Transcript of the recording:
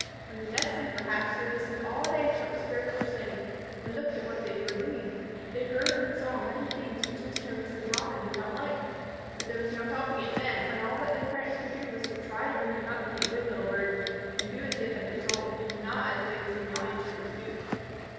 When the nestlings were hatched, they listened all day to what the Sparrows were saying and looked at what they were doing. They heard and saw many things which Mr. and Mrs. Robin did not like. But there was no helping it then, and all that their parents could do was to try to bring them up to be good little birds, and do as they had been told, and not as they had seen naughty children do.